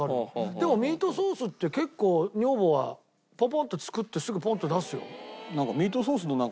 でもミートソースって結構女房はパパッて作ってすぐポンッて出すよ。